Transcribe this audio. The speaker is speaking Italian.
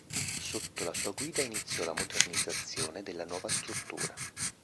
Sotto la sua guida iniziò la modernizzazione della nuova struttura.